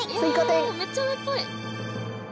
いやめっちゃうえっぽい。